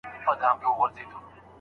تا پر اوږده ږيره شراب په خرمستۍ توی کړل